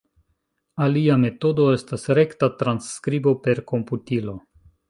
Alia metodo estas rekta transskribo per komputilo.